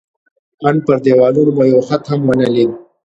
ان پر دېوالونو مو یو خط هم ونه لید.